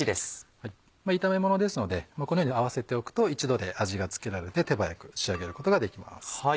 炒め物ですのでこのように合わせておくと一度で味が付けられて手早く仕上げることができます。